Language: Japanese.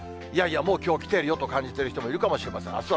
いやいやもうきょう来ているよと感じている人もいるかもしれません。